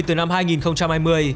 từ năm hai nghìn hai mươi